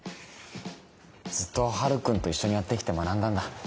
ずっとハルくんと一緒にやってきて学んだんだ